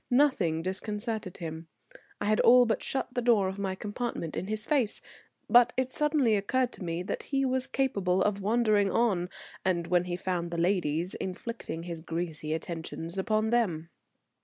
Nothing disconcerted him. I had all but shut the door of my compartment in his face, but it suddenly occurred to me that he was capable of wandering on, and when he found the ladies inflicting his greasy attentions upon them.